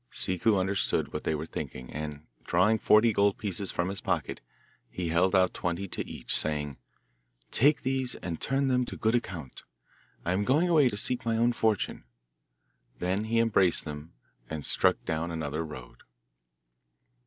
Ciccu understood what they were thinking, and, drawing forty gold pieces from his pocket, he held out twenty to each, saying, 'Take these and turn them to good account. I am going away to seek my own fortune.' Then he embraced them, and struck down another road.